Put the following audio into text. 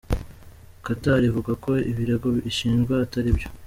Qatar ivuga ko ibirego ishinjwa atari byo.